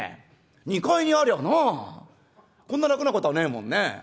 二階にありゃあなこんな楽なことねえもんね。